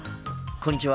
こんにちは。